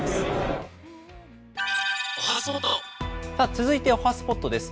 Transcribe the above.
続いておはＳＰＯＴです。